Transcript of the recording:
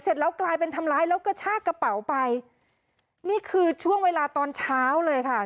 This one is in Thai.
เสร็จแล้วกลายเป็นทำร้ายแล้วกระชากกระเป๋าไปนี่คือช่วงเวลาตอนเช้าเลยค่ะ